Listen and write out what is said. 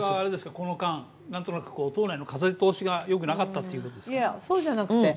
この間、党内の風通しがよくなかったということですか？